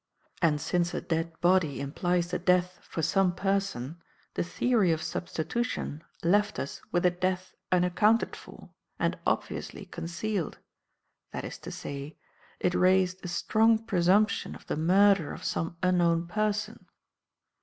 And since a dead body implies the death for some person, the theory of substitution left us with a death unaccounted for and obviously concealed; that is to say, it raised a strong presumption of the murder of some unknown person.